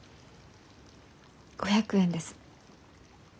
５００円です。